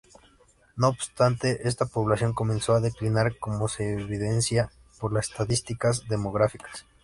No obstante, esta población comenzó a declinar, como se evidencia por las estadísticas demográficas.